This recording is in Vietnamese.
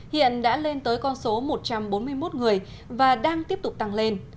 hiện đã lên tới con số một trăm bốn mươi một người và đang tiếp tục tăng lên